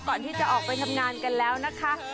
ก่อนที่จะออกไปทำงานกันแล้วนะคะ